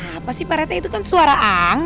apa sih para itu kan suara angin